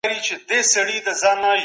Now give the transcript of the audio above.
سپما کول ښه عادت دی.